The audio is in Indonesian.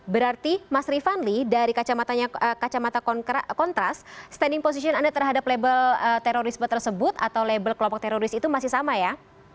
berarti mas rifanli dari kacamata kontras standing position anda terhadap label terorisme tersebut atau label kelompok teroris itu masih sama ya